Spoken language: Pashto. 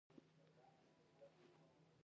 راجستان دښته او کلاګانې لري.